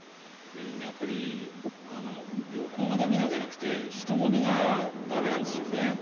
やっぱり旅行が駄目なんじゃなくて人混みが駄目なんですよね。